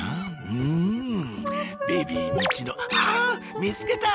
うんベビーミチノあ見つけた！